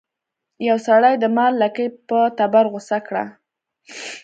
یو سړي د مار لکۍ په تبر غوڅه کړه.